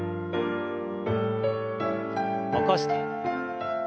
起こして。